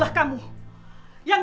saya akan kembali ke tempat lain